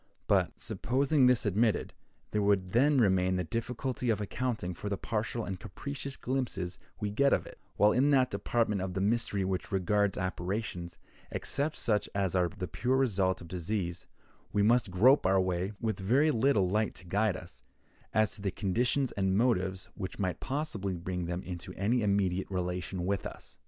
But, supposing this admitted, there would then remain the difficulty of accounting for the partial and capricious glimpses we get of it; while in that department of the mystery which regards apparitions, except such as are the pure result of disease, we must grope our way, with very little light to guide us, as to the conditions and motives which might possibly bring them into any immediate relation with us.